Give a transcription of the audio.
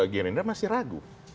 girinda masih ragu